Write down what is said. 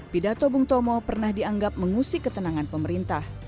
pidato bung tomo pernah dianggap mengusik ketenangan pemerintah